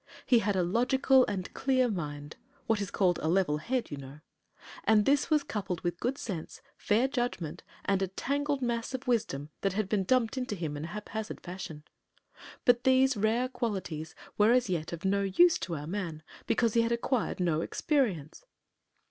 He had a logical and clear mind what is called a "level head," you know; and this was coupled with good sense, fair judgment, and a tangled mass of wisdom that had been dumped into him in a haphazard fashion. But these rare qualities were as yet of no use to our man because he had acquired no experience.